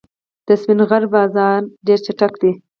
د سپین غر بازان ډېر چټک دي.